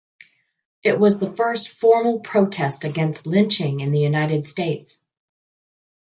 It was the first formal protest against lynching in the United States.